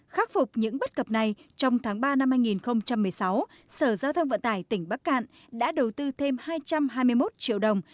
khắc phục những bất cập này trong tháng ba năm hai nghìn một mươi sáu sở giao thông vận tải tỉnh bắc cạn đã đầu tư thêm hai trăm hai mươi một triệu đồng